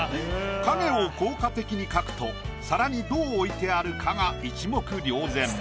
影を効果的に描くと皿にどう置いてあるかが一目瞭然。